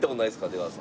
出川さん。